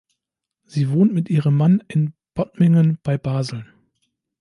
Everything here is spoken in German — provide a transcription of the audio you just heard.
Sie wohnt mit ihrem Mann in Bottmingen bei Basel.